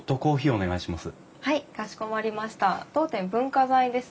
お願いします。